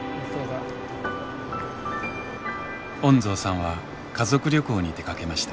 恩蔵さんは家族旅行に出かけました。